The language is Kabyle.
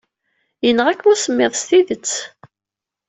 Yenɣa-kem usemmiḍ s tidet.